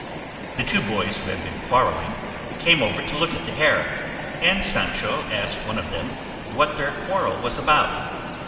The two boys who had been quarrelling came over to look at the hare, and Sancho asked one of them what their quarrel was about.